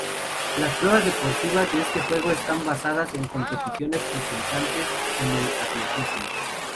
Las pruebas deportivas de este juego están basadas en competiciones presentes en el atletismo.